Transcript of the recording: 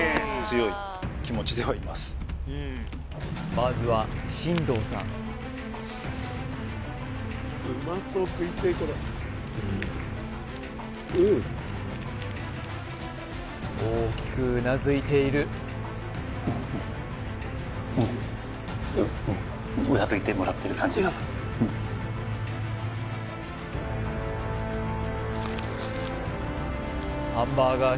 まずは進藤さん大きくうなずいているうんうんうんうんハンバーガー